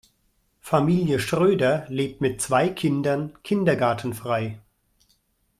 Familie Schröder lebt mit zwei Kindern kindergartenfrei.